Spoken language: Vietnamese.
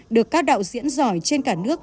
được các đạo diễn giỏi trên cả nước